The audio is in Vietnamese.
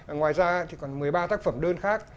ngoài ra thì còn một mươi ba tác phẩm đơn khác